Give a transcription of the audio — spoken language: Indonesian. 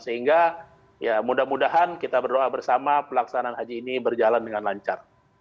sehingga ya mudah mudahan kita berdoa bersama pelaksanaan haji ini berjalan dengan lancar